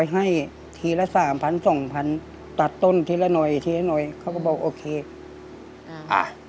ให้ทีละสามพันสองพันตัดต้นทีละหน่อยทีละหน่อยเขาก็บอกโอเคอ่า